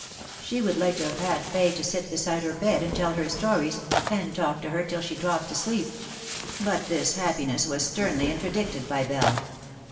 She would like to have had Fay to sit beside her bed and tell her stories, and talk to her, till she dropped to sleep ; but this happiness was sternly interdicted by Bell.